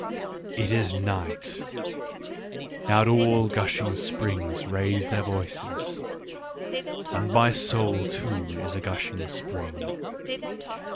" It is night : now do all gushing springs raise their voices. And my soul too is a gushing spring.